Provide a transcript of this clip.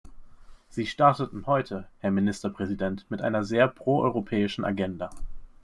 Sie starteten heute, Herr Ministerpräsident, mit einer sehr proeuropäischen Agenda.